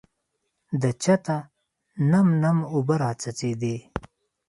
د چته نم نم اوبه راڅڅېدې .